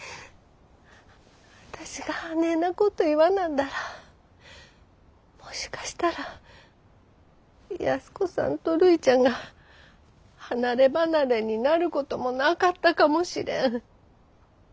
私があねえなこと言わなんだらもしかしたら安子さんとるいちゃんが離れ離れになることもなかったかもしれん。